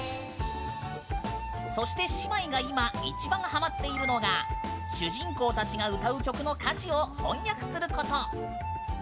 そして姉妹が今、一番ハマっているのが主人公たちが歌う曲の歌詞を翻訳すること。